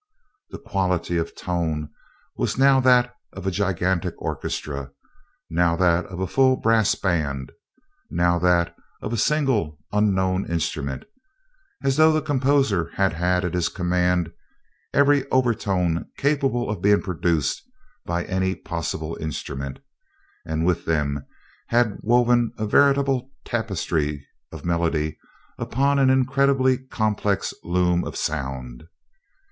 The quality of tone was now that of a gigantic orchestra, now that of a full brass band, now that of a single unknown instrument as though the composer had had at his command every overtone capable of being produced by any possible instrument, and with them had woven a veritable tapestry of melody upon an incredibly complex loom of sound.